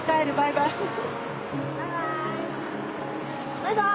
バイバイ。